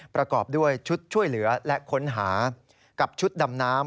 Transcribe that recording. ประกอบด้วยชุดช่วยเหลือและค้นหากับชุดดำน้ำ